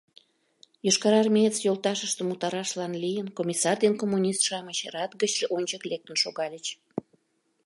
Йошкарармеец йолташыштым утарашлан лийын комиссар ден коммунист-шамыч рат гыч ончык лектын шогальыч.